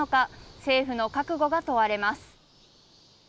政府の覚悟が問われます。